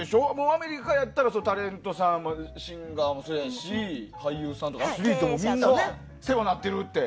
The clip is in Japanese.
アメリカやったらタレントさんもシンガーも俳優もアスリートもみんな世話になってるって。